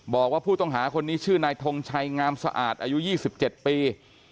บอกว่าผู้ต้องหาคนนี้ชื่อนายทงชัยงามสะอาดอายุ๒๗ปี